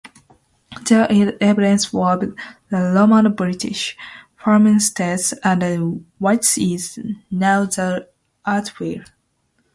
There is evidence of a Romano-British farmstead under what is now the airfield.